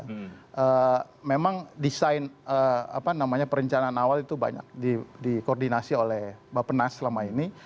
nah memang desain perencanaan awal itu banyak dikoordinasi oleh bapak penas selama ini